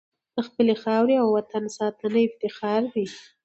د خپلې خاورې او وطن ساتنه افتخار دی.